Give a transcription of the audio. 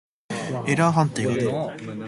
エラー判定が出る。